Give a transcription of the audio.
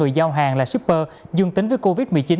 cư giao hàng là shipper dương tính với covid một mươi chín